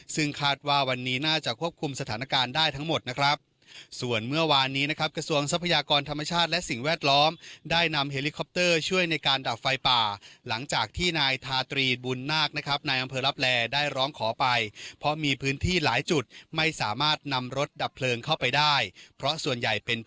ซึ่งคาดว่าวันนี้น่าจะควบคุมสถานการณ์ได้ทั้งหมดนะครับส่วนเมื่อวานนี้นะครับกระทรวงทรัพยากรธรรมชาติและสิ่งแวดล้อมได้นำเฮลิคอปเตอร์ช่วยในการดับไฟป่าหลังจากที่นายทาตรีบุญนาคนะครับนายอำเภอลับแลได้ร้องขอไปเพราะมีพื้นที่หลายจุดไม่สามารถนำรถดับเพลิงเข้าไปได้เพราะส่วนใหญ่เป็น